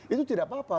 itu tidak apa apa